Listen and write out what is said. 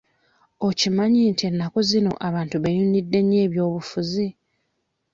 Okimanyi nti ennaku zino abantu beeyunidde nnyo ebyobufuzi?